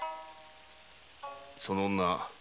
その女